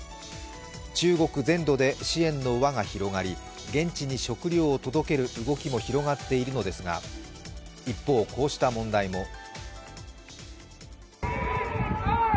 中国全土で支援の輪が広がり現地に食料を届ける動きも広がっているのですが一方、こうした問題も。